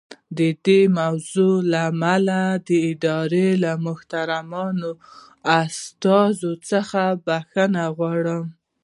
د دې موضوع له امله د ادارې له محترمو استازو څخه بښنه غواړم.